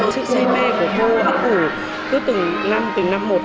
sự say mê của cô ấp ủ cứ từng năm từng năm một